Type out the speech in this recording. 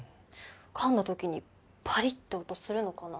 かんだときにパリッと音するのかな？